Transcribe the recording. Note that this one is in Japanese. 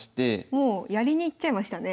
もうやりにいっちゃいましたね